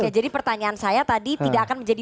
oke jadi pertanyaan saya tadi tidak akan menjadi